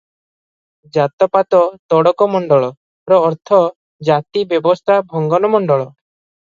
"ଜାତ-ପାତ ତୋଡ଼କ ମଣ୍ଡଳ"ର ଅର୍ଥ ଜାତି ବ୍ୟବସ୍ଥା ଭଙ୍ଗନ ମଣ୍ଡଳ ।"